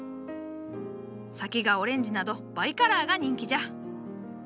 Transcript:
先がオレンジなどバイカラーが人気じゃ。